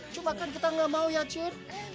cuma kan kita gak mau ya jen